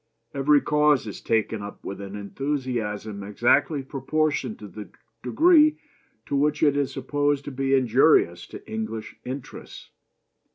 Every cause is taken up with an enthusiasm exactly proportioned to the degree in which it is supposed to be injurious to English interests.